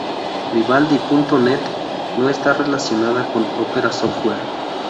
Vivaldi.net no está relacionada con Opera Software.